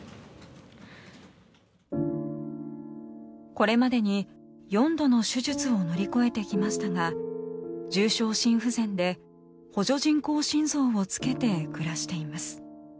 これまでに４度の手術を乗り越えてきましたが重症心不全で補助人工心臓をつけて暮らしています。